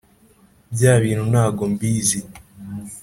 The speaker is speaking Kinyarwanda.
bya bintu ntago mbizi